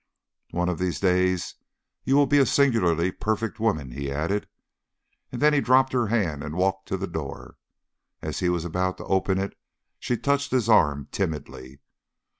"One of these days you will be a singularly perfect woman," he added, and then he dropped her hand and walked to the door. As he was about to open it, she touched his arm timidly.